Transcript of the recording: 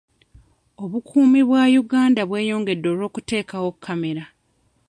Obukuumi bwa Uganda bweyongedde olw'okuteekawo kkamera.